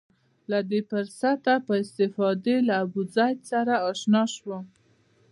له دې فرصته په استفادې له ابوزید سره اشنا شم.